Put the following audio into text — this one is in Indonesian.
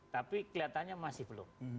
tapi kelihatannya masih belum